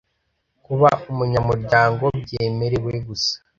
Kuba umunyamuryango byemerewe gusa